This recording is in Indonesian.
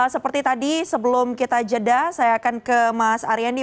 seperti tadi sebelum kita jeda saya akan ke mas ariandi